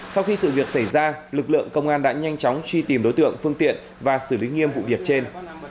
sau khi sự việc xảy ra lực lượng công an đã nhanh chóng truy tìm đối tượng phương tiện và xử lý nghiêm vụ việc trên